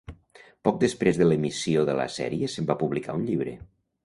Poc després de l'emissió de la sèrie se'n va publicar un llibre.